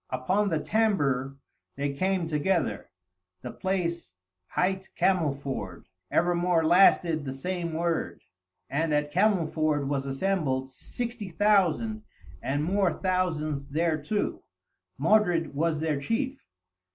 Upon the Tambre they came together; the place hight Camelford, evermore lasted the same word. And at Camelford was assembled sixty thousand, and more thousands thereto; Modred was their chief.